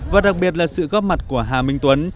và đặc biệt là sự góp mặt của hà minh tuấn